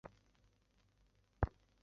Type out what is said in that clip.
刚好在吃饭时遇到